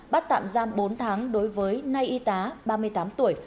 bắt tạm giam bốn tháng đối với nay y tá ba mươi tám tuổi